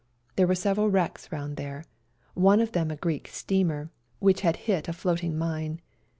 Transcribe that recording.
There were several wrecks round there, one of them a Greek steamer, which had hit a floating mine.